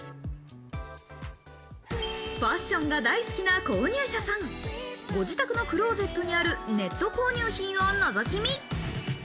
ファッションが大好きな購入者さん、ご自宅のクローゼットにあるネット購入品をのぞき見。